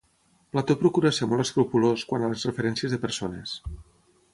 Plató procura ser molt escrupolós quant a les referències de persones.